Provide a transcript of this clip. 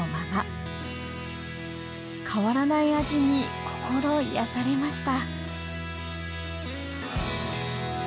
変わらない味に心癒やされました